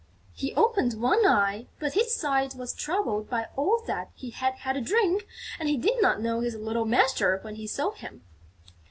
He opened one eye, but his sight was troubled by all that he had had to drink and he did not know his little master when he saw him.